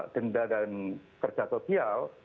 denda dan kerja sosial